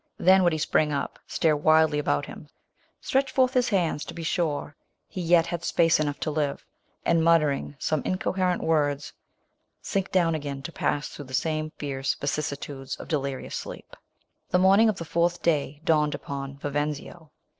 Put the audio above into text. Then would he pring up — tare wildly about him— stretch t'ortli his hands, to be sure lie yet had space enough to live — and, muttering some incohe rent words, sink down again, to pass through the same fierce vicissitudes of delirious sleep. The morning of the fourth day dawned upon Viven/io.